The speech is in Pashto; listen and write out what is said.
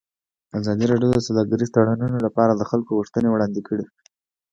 ازادي راډیو د سوداګریز تړونونه لپاره د خلکو غوښتنې وړاندې کړي.